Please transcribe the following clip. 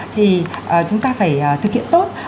thì chúng ta phải thực hiện tốt